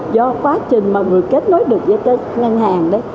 do quá trình mà vừa kết nối được với các ngân hàng đấy